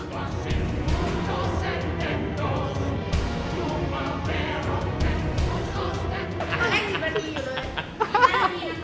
ก็แรงติดมานี่อยู่เลย